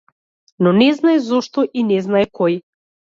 Но не знае зошто, и не знае кој.